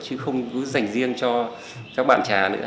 chứ không cứ dành riêng cho các bạn trà nữa